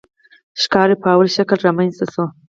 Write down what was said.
ښکار په لومړني شکل رامنځته شو.